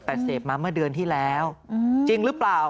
แต่เสพมาเมื่อเดือนที่แล้วจริงหรือเปล่า